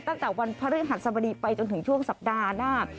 ตั้งแต่วันพระฤหัสสบดีไปจนถึงช่วงสัปดาห์หน้า